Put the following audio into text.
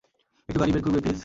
একটু গাড়ি বের করবে, প্লিজ।